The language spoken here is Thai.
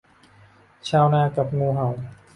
ชาวนากับงูเห่า